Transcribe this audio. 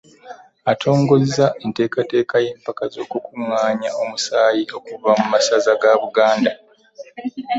Atongoza enteekateeka y'empaka z'okukungaanya omusaayi okuva mu masaza ga Buganda.